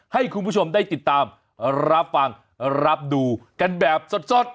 ให้คุณผู้ชมได้ติดตามรับฟังรับดูกันแบบสด